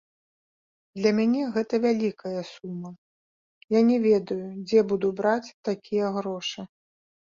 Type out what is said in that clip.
Для мяне гэта вялікая сума, я не ведаю дзе буду браць такія грошы.